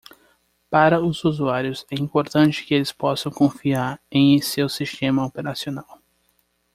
Para os usuários, é importante que eles possam confiar em seu sistema operacional.